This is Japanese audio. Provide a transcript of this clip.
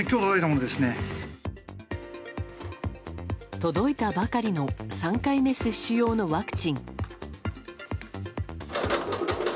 届いたばかりの３回目接種用のワクチン。